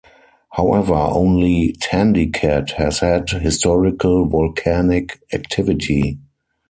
However, only Tandikat has had historical volcanic activity.